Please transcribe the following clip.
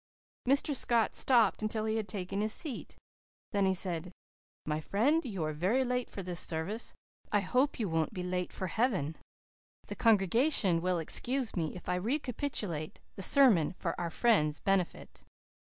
Mr. Scott stopped until he had taken his seat. Then he said, 'My friend, you are very late for this service. I hope you won't be late for heaven. The congregation will excuse me if I recapitulate the sermon for our friend's benefit.